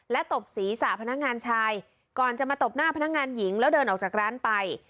ตบศีรษะพนักงานชายก่อนจะมาตบหน้าพนักงานหญิงแล้วเดินออกจากร้านไป